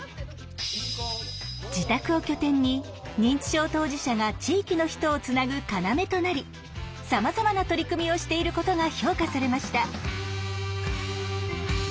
自宅を拠点に認知症当事者が地域の人をつなぐ要となりさまざまな取り組みをしていることが評価されました。